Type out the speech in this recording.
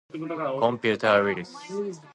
コンピューターウイルス